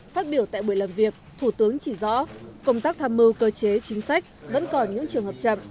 phát biểu tại buổi làm việc thủ tướng chỉ rõ công tác tham mưu cơ chế chính sách vẫn còn những trường hợp chậm